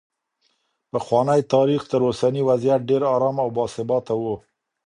پخوانی تاریخ تر اوسني وضعیت ډېر ارام او باثباته و.